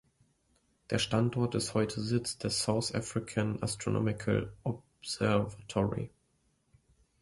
Der Standort ist heute Sitz des South African Astronomical Observatory.